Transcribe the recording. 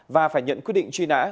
và phải nhận quyết định truy nã